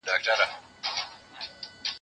يوه ورځ د لوى ځنگله په يوه كونج كي